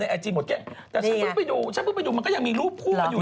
ในไอทีมดเก๊ะแต่ก็ยังมีรูปคู่มันอยู่น่ะ